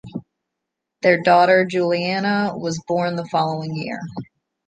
Their daughter Julianna was born the following year.